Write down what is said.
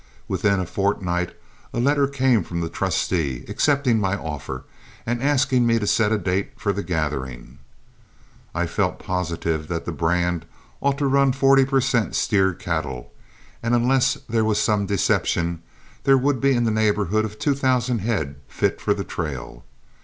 Within a fortnight a letter came from the trustee, accepting my offer and asking me to set a date for the gathering. I felt positive that the brand ought to run forty per cent steer cattle, and unless there was some deception, there would be in the neighborhood of two thousand head fit for the trail.